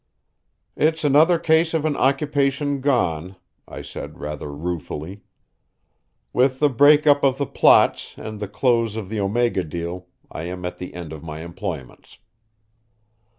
"It's another case of an occupation gone," I said rather ruefully. "With the break up of the plots and the close of the Omega deal, I am at the end of my employments."